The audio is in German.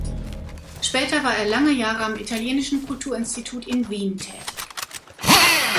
Später war er lange Jahre am Italienischen Kulturinstitut in Wien tätig.